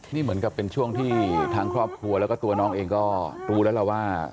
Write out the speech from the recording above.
นี่เหมือนกับเป็นช่วงที่ทางครอบครัวแล้วก็ตัวน้องเองก็รู้แล้วล่ะว่า